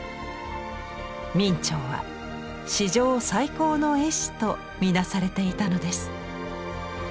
明兆は史上最高の絵師とみなされていたのです。